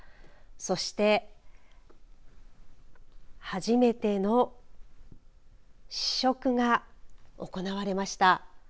そして初めての試食が行われました。